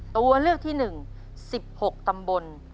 ตัวเลือกที่๑๑๖ตำบล